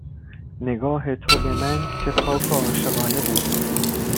نگاه تو به من چه پاک و عاشقانه بود